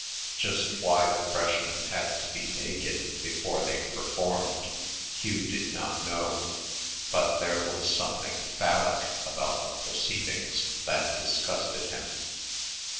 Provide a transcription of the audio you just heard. Just why the freshmen had to be naked before they performed, Hugh did not know, but there was something phallic about the proceedings that disgusted him.